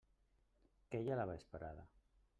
Queia la vesprada.